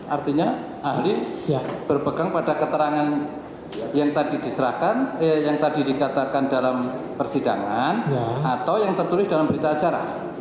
artinya ahli berpegang pada keterangan yang tadi diserahkan yang tadi dikatakan dalam persidangan atau yang tertulis dalam berita acara